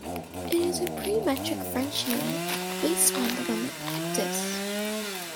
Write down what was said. It is a pre-metric French unit based on the Roman "actus".